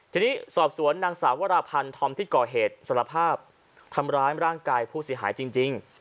ทีนี้สอบสวนนางสาววราพันธอมที่ก่อเหตุสารภาพทำร้ายร่างกายผู้เสียหายจริง